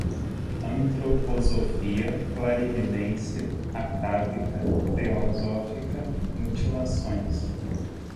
antroposofia, clarividência atávica, teosófica, mutilações